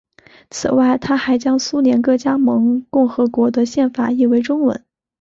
此外他还将苏联各加盟共和国的宪法译为中文。